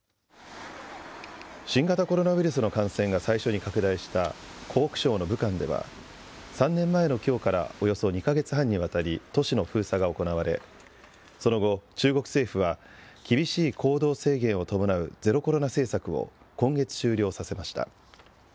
新型コロナウイルスの感染が最初に拡大した、湖北省の武漢では、３年前のきょうから、およそ２か月半にわたり、都市の封鎖が行われ、その後、中国政府は厳しい行動制限を伴うゼロコロナ政策を、今月終了させました。